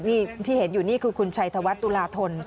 นี่ที่เห็นอยู่นี่คือคุณชัยธวัฒน์ตุลาธน